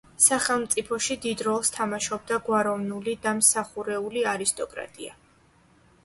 სახელმწიფოში დიდ როლს თამაშობდა გვაროვნული და მსახურეული არისტოკრატია.